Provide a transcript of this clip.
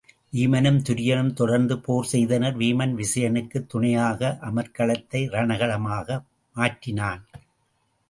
வீமனும் துரியனும் தொடர்ந்து போர் செய்தனர் வீமன் விசயனுக்குத் துணையாக அமர்க்களத்தை ரணகள மாக மாற்றினான்.